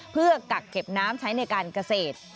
เพื่อกักเก็บน้ำใช้ในการเกษตร